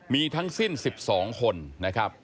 มีทั้งสิ้น๑๒คนนะครับ